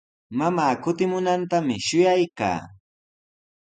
Mamaa kutimunantami shuyaykaa.